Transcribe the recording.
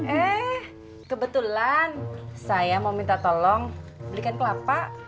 eh kebetulan saya mau minta tolong belikan kelapa